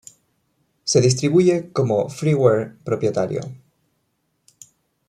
Se distribuye como freeware propietario.